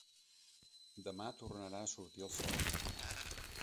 Demà tornarà a sortir el sol.